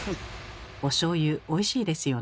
おしょうゆおいしいですよね。